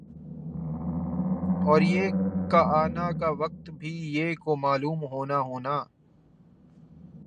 اور یِہ کا آنا کا وقت بھی یِہ کو معلوم ہونا ہونا